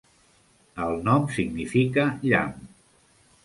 El nom significa "llamp".